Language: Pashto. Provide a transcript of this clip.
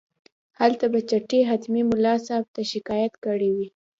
هلته به چڼي حتمي ملا صاحب ته شکایت کړی وي.